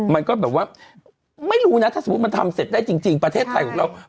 มันก็แบบว่าไม่รู้นะถ้าสมมุติมันทำเสร็จได้จริงประเทศไทยของเรา